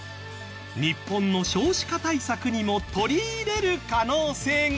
日本の少子化対策にも取り入れる可能性が。